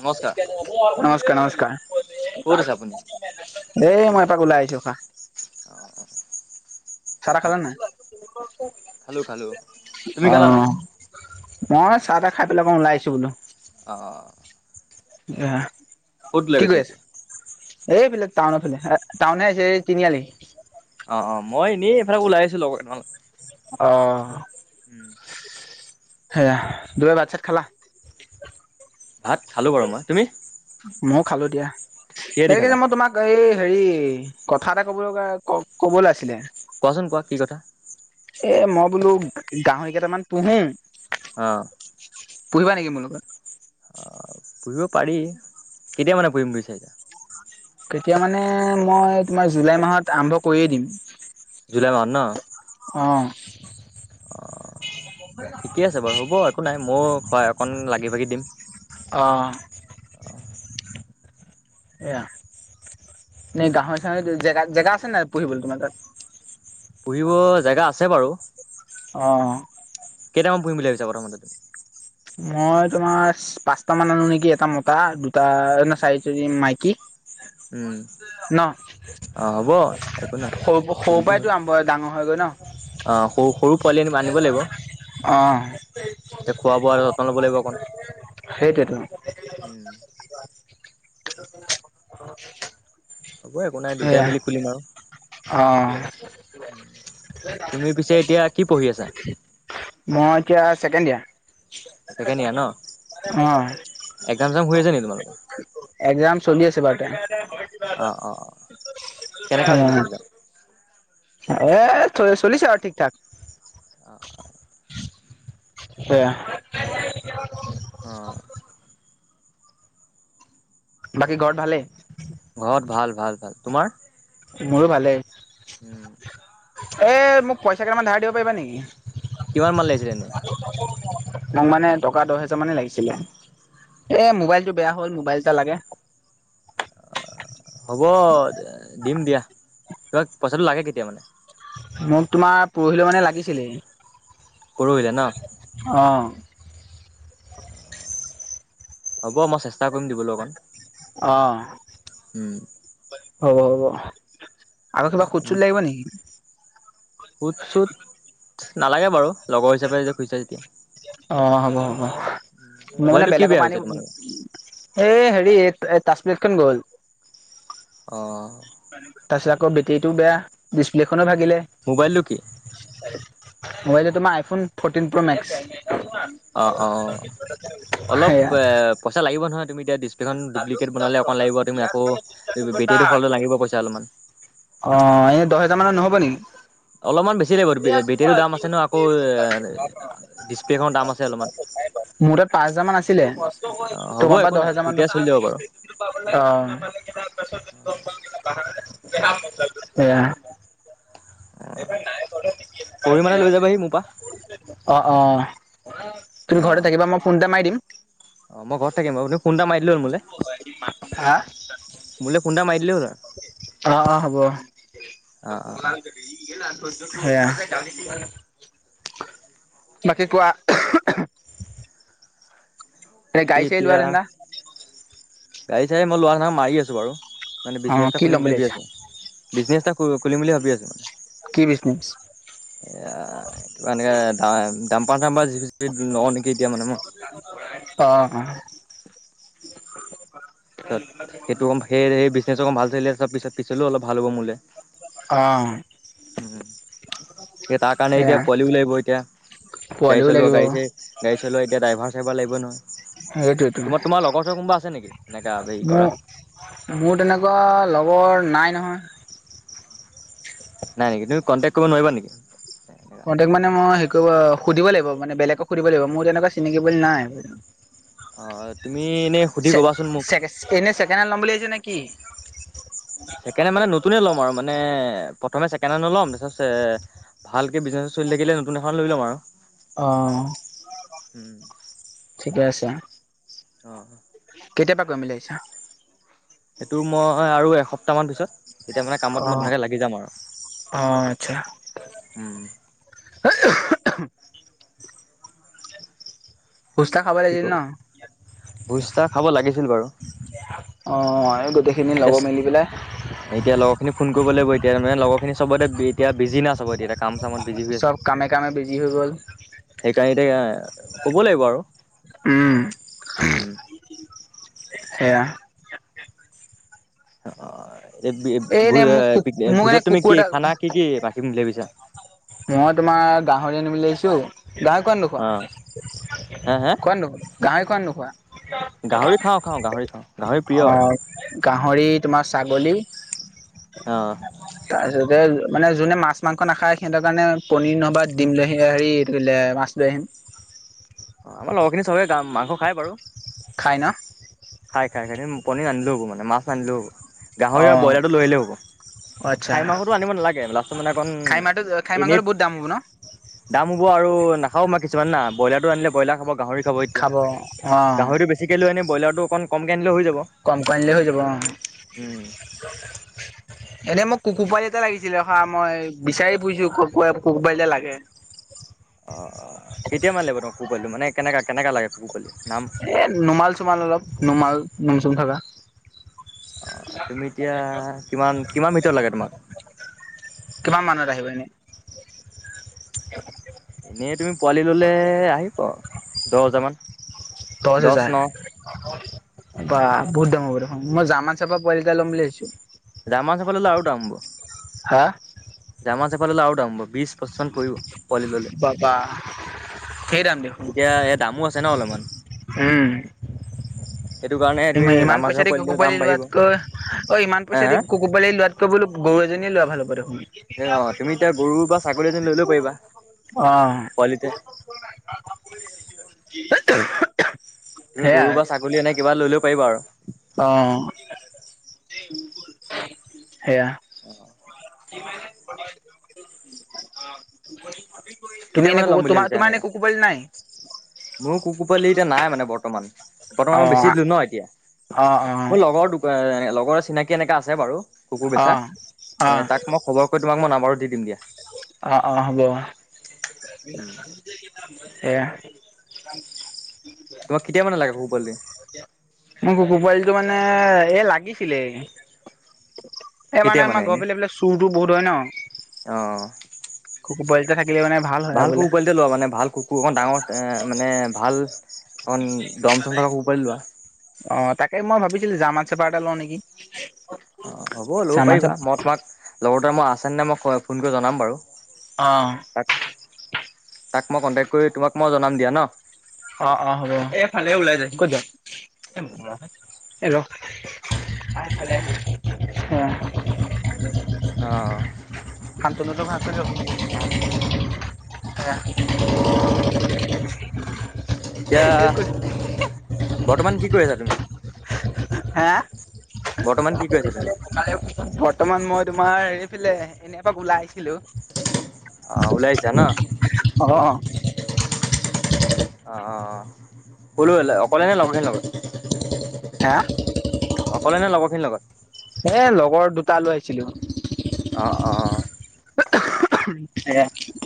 নমস্কাৰ নমস্কাৰ নমস্কাৰ। ক'ত আছে আপুনি এয়া মই এপাক ওলাই আহিছোঁ খা অ'। চাহ তাহ খালা নাই? খালোঁ খালোঁ তুমি খালা অ'। নাই মই চাহ তাহ খাই পেলাই অকণ ওলাই আছোঁ বোলো। অ'। [unintelligible] ওলাই কি কৰি গৈছা আছে? এতিয়া এইফিলে টাউনফালে এ, টাউনহে আহিছে এই তিনিআলি। অ', অ', মই এনেই এইফালে ওলাই আহিছোঁ লগৰ কেইটামানৰ অ'। উম। সেয়া [unintelligible] ভাত চাত খালা? ভাত খালোঁ বাৰু মই। তুমি? ময়ো খালোঁ দিয়া। কিহেদি [unintelligible] খালা যে মই তোমাক [unintelligible] এই হেৰি, কথা এটা ক'ব লগা ক-ক'বলে আছিলে। কোৱাচোন কোৱা কি কথা? এ, মই বোলোঁ গা- গাহৰি কেইটামান পুহোঁ। অ'। পুহিবা নেকি মোৰ লগত? অ পুহিব পাৰি। কেতিয়া মানে পুহিম বিচাৰিছাঁ? কেতিয়া মানে, মই তোমাৰ জুলাই মাহত আৰম্ভ কৰিয়ে দিম। জুলাই মাহত ন? অ'। ঠিকে আছে বাৰু হ'ব একো নাই। ময়ো সহায় অকন লাগি ভাগি দিম। অ'। এয়া, এনে গাহৰি চাহৰি জে জেগা জেগা আছে নে পু়হিবলে তোমাৰ তাত? পুহিব জেগা আছে বাৰু। অ'। কেইটামান পুহিম বুলি ভাবিছা প্ৰথমতে? মই তোমাৰ চা পাঁচটা মান আনোঁ নেকি। এটা মতা দুটা না চাৰিজনী মাইকী। উম। ন। অঁ হ'ব একো নাই সৰু প সৰু পৰাইটো আৰম্ভ হৈ ডাঙৰ হৈগৈ ন। অ', সৰু সৰু পোৱালি আনিব আনিব লাগিব। অ'। এতিয়া খোৱা বোৱা যতন ল'ব লাগিব অকন। সেইটোয়েতো। উম। হ'ব একো নাই। দুটাই সেয়া মেলি খুলিম আৰু। অ', তুমি পিছে এতিয়া কি পঢ়ি আছা? মই এতিয়া ছেকেণ্ড ইয়াৰ। ছেকেণ্ড ইয়েৰ ন? অ'। এক্সাম চেক্সাম হৈ আছে নেকি তোমালোকৰ? একজাম চলি আছে বাৰু তে অ' অ' অ', কেনেকা হৈ গৈছে একজাম? এ, চলি চলিছে আৰু ঠিক ঠাক। অ' অ'। সেয়া অ'। বাকী ঘৰত ভালেই? ঘৰত ভাল ভাল ভাল। তোমাৰ? মোৰো ভালেই। উম। এই মোক পইচা কেইটামান ধাৰ দিব পাৰিবা নেকি? কিমান মান লাগিছিলে এনে? মোক মানে টকা দহ হেজাৰ মানেই লাগিছিলে। এ, মোবাইলটো বেয়া হ'ল, মোবাইল এটা লাগে। হ'ব দিম দিয়া। তোমাক পইচাটো লাগে কেতিয়া মানে? মোক তোমাৰ পৰহিলৈ মানে লাগিছিলে। পৰহিলে ন'? অ'। হ'ব মই চেষ্টা কৰিম দিবলৈ অকণ। অ'। উম। হ'ব হ'ব। আকৌ কিবা সুত চোট লাগিব নেকি? সুত চুত নালাগে বাৰু, লগৰ হিচাপে যেতিয়া কৈছা তেতিয়া। অ' হ'ব হ'ব। মই মানে মোবাইলটো কি বেয়া বেলেগৰপৰা হৈছে তোমালোকৰ? আনি এই হেৰি এ, তাজম্লেটখন গ'ল। অ'। তাৰপিছত আকৌ বেটেৰীটোও বেয়া, ডিছপ্লেখনো ভাগিলে। মোবাইলটো কি? মোবাইলটো তোমাৰ আইফোন ফ'ৰ্টিন প্ৰ' মেক্স। অ', অ'। অলপ সেয়া পইচা লাগিব নহয় তুমি এতিয়া এইখন ডুপ্লিকেট বনালে অকণ লাগিব, তুমি আকৌ বেটাৰিটো সলালে লাগিব পইচা অলপমান। অ' এই দহ হেজাৰ মানৰ নহ'ব নেকি? অলপমান বেছি লাগিব [unintelligible] মোৰ বেটেৰীটো দাম আছে ন আকৌ তাত ডিচপ্লেখনৰ দাম আছে অলপমান পাঁচ হোজাৰ মান আছিলে, অ হ'ব তোমাৰপা একো দহ নাই হোজাৰ মান অ' তেতিয়া চলি যাব বাৰু সেয়া অ' পৰহি মানে লৈ যাবাহি মোৰপা। অ', অ' অ তুমি ঘৰতে থাকিবা মই ফোন এটা মাৰি দিম। অ' মই ঘৰত থাকিম, ফোন এটা মাৰি দিলেই হ'ল মোলে। মুলে ফোন এটা মাৰি দিলেই হ'ল আৰু। অ অ হ'ব। অ অ বাকী হেয়া। বাকী কোৱা? এ, গাড়ী চাৰি এতিয়া লোৱাৰ ধান্দা? গাড়ী চাই মই লোৱা নাই, মাৰি আছোঁ বাৰু, অ বিজছ এটা কি খুলিম ল'ম বুলি ভাবি ভাবিছা আছো। বিজনেছ এটা কৰিম বুলি ভাবি আছো মানে। কি বিজনেছ? এ, এনেকে দা-ডাম্পাৰ চাম্পাৰ, জিচিপি চিজিপি লওঁ নেকি, এতিয়া মানে মই অ', অ'। তাৰিছত সেইটো সেই বিজনেছ অকন ভাল চলিলে, ত' পিছত পিছলেও অলপ ভাল হ'ব মোলে। অ'। উম। এ, তাৰ কাৰণে সেয়া এতিয়া পোৱালিও লাগিব এতিয়া, গাড়ী পোৱালিও চলোৱা লাগিব গাড়ী চাৰি গাড়ী চলোৱা এতিয়া ড্ৰাইভাৰ চাইভাৰ লাগিব নহয়। সেইটোৱেতো তোমাৰ তোমাৰ লগৰ চৰ কোনোবা আছে নেকি? এনেকা হেৰি কৰা মোৰ, মোৰ তেনেকুৱা লগৰ নাই নহয়। নাই নেকি? তুি কণ্টেক্ট কৰিব নোৱাৰিবা নেকি? কণ্টেক্ট মানে মই সুধিব লাগিব, মানে বেলেক সুধিব লাগিব, মোৰ তেনেকুৱা চিনাকি নাই। অ' তুমি এনে সুধি কবাচোন মোক। এনে ছেকেণ্ড হেণ্ড ল'ম বুলি ভাবিছ নেকি? ছেকেণ্ড মানে নতুনে ল'ম আৰু, মানে প্ৰথমে ছেকেণ্ড ল'ম তাৰাছ ভালকে বিজনেছ এ, চলি থাকিলে নতুন এখন লৈ ল'ম আৰু। অ, ঠিকে আছে। অ, কেতিয়া পে কৰিম বুলি ভাবিছা। সেইটো মই আৰু এসপ্তাহ মান পিছত। তেতিয়া মানে কামত মই অ ধুনাকে লাগি যাম আৰু অ', আচ্ছা উম, [inaudible] ফুচকা খাব কি লাগিছিল কও ন? ভোজ তাৰ খাব লাগিছিল বাৰু। অ, এই গোটেইখিনি এতিয়া লগৰ মেলি পেলাই। এতিয়া লগৰ খিনি ফোন কৰিব লাগিব এতিয়া মানে লগৰ খিনি চবতে বিত এতিয়া বিজি ন চাব এতিয়া কাম চামত বিজি হৈ চব, কামে কামে বিজি। হৈ গ'ল। সেইকাৰণ এতিয়া ক'ব লাগিব আৰু উম, সেয়া'। অ, এই এনে ভোজ মোক কু মোক ভোজত এনে তুমি কুকুৰ কি এটা খানা কি কি ৰাখিম ভাবিছা? মই তোমাৰ গাহৰি আনিব বুলি ভাবিছো, গাহৰি খোৱা ন অ হে হে খোৱা কোৱা নোখোৱা, গাহৰি খোৱা নে নোখোৱা? গাহৰি খাওঁ খাওঁ, গাহৰি খাওঁ গাহৰি প্ৰিয়ৰ আৰু। অ', গাহৰি তোমাৰ ছাগলী'। অ, তাৰপিছতে মানে যোনে মাছ মাংস নাখায় সিহঁতৰ কাৰণে পনীৰ নহ'বা দিম স হেৰি টোলো লৈ আহিম, অ, আমাৰ লগৰখিনি চবে গা মাংস খায় বাৰু, খাই ন। খাই, খাই, খাই পনীৰ আনিলও হ'ব মান মাছ আনিলো হ'ব গাহৰি, অ', ব্ৰইলাৰটো লৈ আহিলে হ'ব। আচ্ছা খাই মাংসটো আনিব নালাগে লাষ্টত মানে অকণ খাহী মাৰটো খাহী এনেই। মাংসটো বহুত দাম হ'ব ন? দাম হ'ব আৰু নাখাও মই কিছুমান ন, ব্ৰলাৰটো আনিলে বইলাৰ খাব গাহৰি, খাব এতিয়া গাহৰিটো বেছিকে লৈ আনে ব্ৰলাৰটো অকণ কমকে আনিলে হৈ যাব কম কমনিলৈ হৈ যাব অ, উম এনে মোক কুকুৰ পালিতে লাগিছিলে হা, মই বিচাৰি ফুৰিছো কুকুৰপাৱালি এটা লাগে। অ, কেতিয়া মান লাগিব, তোক কুকুৰপোৱালি মানে তেনেক, কেনে কোৱা লাগে কুকুৰ পোৱালি। নাম এ, নোমাল চুমাল অলপ, নোমাল নোম চুম থকা। অ, তুমি এতিয়া কিমান কিমান ভিতৰত লাগে তোমাক? কিমান মানত আহিব এনেই? এনেই তুমি পোৱালি ল'লে আহিবা দহ হজাৰমান! দহ হাজাৰ। বা বহুত দঙ দেখ মই জামা চপা পোৱালিাই ল'ম বুলি ভাবছো, জাৰ্মান চাফাৰ ল'লে আৰু দাম হ'ব। হা। জাৰ্মান চাফাৰ ল'লে দাম হ'ব বিশ, পচিশ মান পৰিব পোৱা লি ল'লে। বাবা ধেৰ দাম দেখোন এতিয়া এ, দামো আছে ন অলপমান সেইটো কাৰণে ই, তুমি ইমান জাৰ্মান পইচা চেফাৰ দি কুকুৰ পোৱালিটোৰ দাম পোৱালি বাঢ়িব লোৱাতকৈ অ, ইমান হা পইচা হা দি কু কুকুৰ পোৱালি লোৱাতকৈ গৰু এজনীয়ে লোৱা ভাল হ'ব দেখুনি। এ, অ, তুমি এতিয়া গৰু বা ছাগলী এজনী লৈলেও পাৰিবা অ পোৱালিতে। [inaudible] তুমি সেয়া গৰু বা ছাগলী এনে কিবা লৈলেও পাৰিবা আৰু। অ, সেয়া। অ, [unintelligible] তুমি কেতিয়া মানে ল'ম ন, বুলি তোমাৰ, ভাবিছা তোমাৰ এনেকা এনে কুকুৰ পোৱালি নাই? মোৰ কুকুৰ পোৱালি এতিয়া নাই মানে বৰ্তমান, বৰ্তমান মই অ বেছি দিলো ন এতিয়া। অ', অ'। লগৰে চিনাকি এনেকা আছে বাৰু কুকুৰ বেছা। অ', এ অ', তাক মই খবৰ কৰি তোমাক মই নন্বাৰটো দি দিম দিয়া। অ', অ' হ'ব। উম এইয়া [inaudible] তোমাক কেতিয়া মানে লাগে কুকুৰ পোৱালী? মোক কুকুৰ পোৱালিটো মানে এ লাগিছিলেই। এই কেতিয়া মানে আমাৰ এনে ঘৰৰ ফালে বোলে চুৰতটো বহুত হয় ন? অ কুকুৰ পোৱালী এটা থাকিলে মানে ভাল হয় আৰু বোলে। কুকুৰ পোৱালিতে লোৱা মানে ভাল কুকুৰ অকন ডাঙৰ এ মানে ভাল অকন দম চম থকা কুকুৰ পোৱালী লোৱা। অঁ, তাকে মই ভাবিছিলোঁ ৰ্জামান চাফাৰ এটা লওঁ নেকি? অ' হ'ব ল'ব জাৰ্মান পাৰিবা। চেপ মই তোমাক লগৰ তোৰ তাত আছেনে নে মই ফোন কৰি জনাম বাৰু। অঁ। তাক তাক মই কণ্টেক্ট কৰি তোমাক মই জনাম দিয়া ন। অ', অ' হ'ব এইফালে ওলাই যায় ক'ত য এ ৰহ অ'। অ'। শান্তনুৰতো ভাগ কৰি ক [unintelligible] বৰ্তমান কি কৰি আছা তুমি? হ [unintelligible] কি কৰি বৰ্তমান আছা তুমি মই তোমাৰ এইফালে এনেই এপাক ওলাই আহিছিলো। অ' ওলাই আহিছা ন? অ'। অ', অ' ক'লে আহিলা? অকলে নে লগৰ খিনিৰ লগত। হা অকলে নে লগৰখিনিৰ লগত? এ লগৰ দুটা লৈ আহিছিলো। অঁ, অঁ, অ'। স [unintelligible]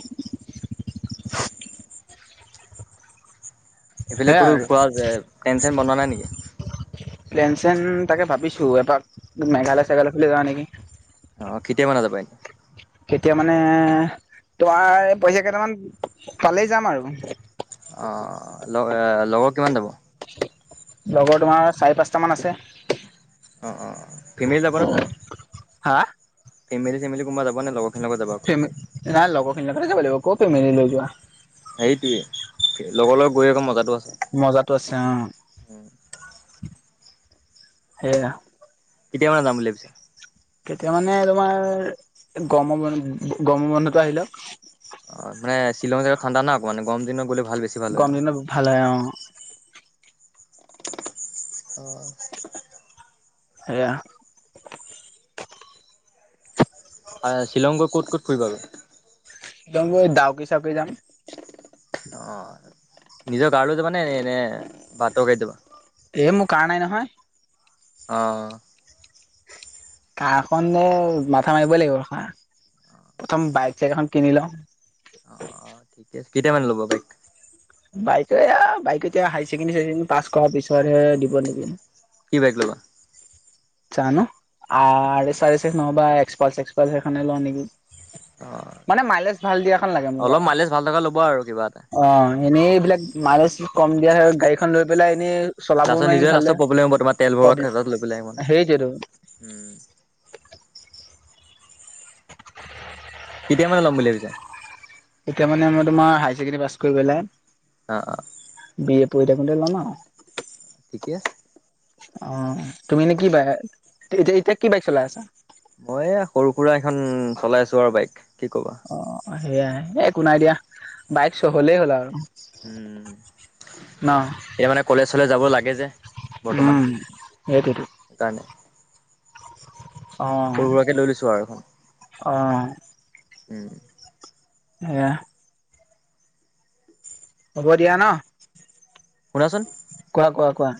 এইফিলে সেয়া ক'তো যোৱা আৰু প্লেন চেন বনোৱা নাই নেকি? প্লেন চেন তাকে ভাবিছোঁ এপাক মেঘালয় চেঘালয় ফালে যাৱ নেকি? অঁ কেতিয়া মানে যাব পাৰি? কেতিয়া মানে তোমাৰ পইচা কেইটামান পালেই যাম আৰু। অঁ লগ লগৰ কিমান যাব? লগৰ তোমাৰ চাৰি পাঁচটামান আছে। অ', অ', অ' ফেমেলি যাব নে কোনোবা, হা ফেমেলি চেমেলি কোনোবা যাব নে লগত? যাবা অকল নাই লগৰখিনিৰ লগতে যাব লাগিব, ক'ত ফেমেলি লৈ যোৱা। হেইটোৱে লগৰ লগত গৈ আকৌ মজাটো আছে। মজাতো আছে অ'। উম [unintelligible] সে কেতিয়া মানে যাম [unintelligible] বুলি ভাবিছা কেতিয়া মানে তোমাৰ গৰমৰ বন্ধ গৰমৰ বন্ধতো আহি লওঁক। অ' মানে শ্বিঙং জগাটো ঠাণ্ডা না আকমান গৰম দিনত গ'লে ভাল বেছি ভাল হয় গৰম দিনত ভাল হয় অ'। অ' [unintelligible] সেয়া। শ্বিলংগৈ ক'ত ক'ত ফুৰিবাগৈ? শ্বিলং গৈ ডাউকী চাওকী যাম। অঁ নিজৰ কাৰ লৈ যাবা নে এনে বাটৰ গাড়ী যাবা? এই মোৰ কাৰ নাই নহয়। অ'। কাহ খনেনে মাথা মাৰিবই লাগিব প্ৰথম বাইক চাইক এখন কিনি লওঁ। ঠিক আছে কেইামান লব গাড়ী। বাইকে বাইক এতিয়া হাই চেকেণ্ডেৰীৰ পাছ কৰাৰ পিছতহে দিব নেকি। কি বাইক লবা। জানো আৰ [unintelligible] নহবা এক্স পাল্স পাল সেইখনে লওঁ নেকি। অ', মানে মাইলেজ ভাল দিয়াখন লাগে মোৰ অলপ আও। মাইলেজ ভাল থকা ল'ব আৰু কিবা এটা। অ', এনেই এইবিলাক মালেজ কম দিয়া হয় গাড়ীখন লৈ পেলাই এনেই চলাবও লাষ্টত নোৱাৰিম নিজৰে লাষ্টত প্ৰব্লেম হ'ব তোমাৰ তেল ভালদৰে ভৰোৱা প্ৰব্লেম সেইটোৱেতো [unintelligible] উম। কেতিয়া মানে ল'ম বুলি ভাবিছা। তেতিয়া মানে মই তোমাৰ হাৰ ছেকেণ্ডেৰী পাছ কৰিপলাই। অ', অ'। বি এ পঢ়ি থাকোতে লম আৰু। ঠিকে আছে। অ', তুমি এনে কি বাই এতিয়া, এতিয়া কি বাইক চলাই আছা। মই সৰু সুৰা এখন চলাই আছো আৰু বাইক কি কবা অ', সেয়াই একো নাই দিয়া বাইক হলেই হ'ল আৰু। উম। ন এয়া মানে কলেজ চলেজ যাব লাগে যে বৰ্তমান উম সেইটোৱেতো। সেইকাৰণে। সৰু সুৰাকে লৈ লৈছো আৰু এখন। অ', অ'। উম। এয়া। হ'ব দিয়া ন শুনাচোন কোৱা কোৱা কোৱা।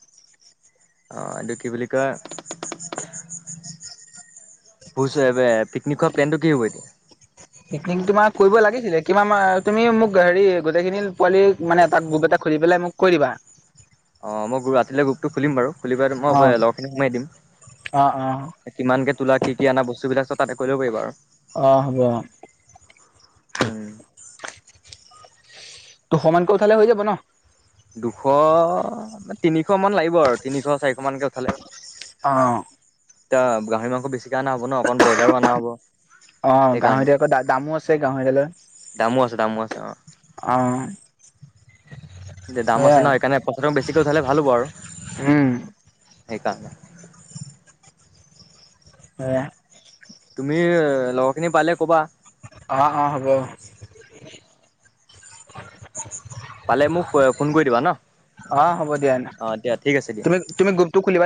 এইটো কি বুলি কয়? বুজিছো এবাৰ পিকনিকৰ প্লেনটো কি হ'ব এতিয়া। পিকনিক তোমাক কৰিব লাগিছিলে কিমান তুমি মোক হেৰি গোটেইখিনি পোৱালি মানে এটা গ্ৰুপ এটা খুুলি পেলাই মোক কৈ দিবা। অ', মই ৰাতিলৈ গ্ৰুপটো খুলিম বাৰু খুলি পেলাই মই অ', লগৰখিনি সোমাই দিম। অ', অ', কিমানকে তোলা কি কি অনা বস্তু বিলাক চব তাতে কৰি ল'ব পাৰিব আৰু। অ' হ'ব অ'। উম। তো সমান কৈ উঠালে হৈ যাব ন। দুশ তিনিশ মান লাগিব আৰু তিনিশ চাৰিশ মানকে উঠালে। অ', অ'। এ গাহৰি মাংস বেছিকে অনা হ'ব ন অকণ ব্ৰইলাৰো অনা হ'ব। অ', সেইকাৰণে গাহৰিটো আকৌ দামো আছে গাহৰি দালৰ। দামো আছে দামো আছে অ'। অহ। দে দাম আছে নহ সেইকাৰণে পইচাটো বেছিকৈ উঠালে ভাল হ'ব আৰু। উম। সেইকাৰণে। [inaudible] তুমি লগৰখিনি পালে ক'বা। অ', অ', হ'ব। পালে মোক ফোন কৰি দিবা ন, অ', হ'ব দিয়া অ', দিয়া ঠিক আছে দিয়া। তুমি, তুমি গ্ৰুপটো খুলিবা।